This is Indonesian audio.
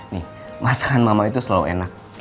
nih masakan mama itu selalu enak